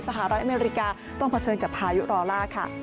สหรัฐอเมริกาต้องเผชิญกับพายุรอล่าค่ะ